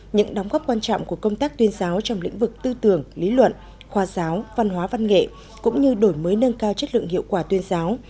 những đóng góp quan trọng của công tác tuyên giáo trong lĩnh vực tư tưởng lý luận khoa giáo văn hóa văn nghệ cũng như đổi mới nâng cao chất lượng hiệu quả tuyên giáo